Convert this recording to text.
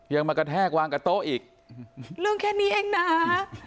มากระแทกวางกับโต๊ะอีกเรื่องแค่นี้เองนะ